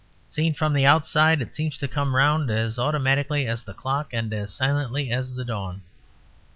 Seen from the outside, it seems to come round as automatically as the clock and as silently as the dawn.